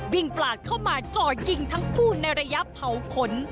ปลาดเข้ามาจ่อยิงทั้งคู่ในระยะเผาขน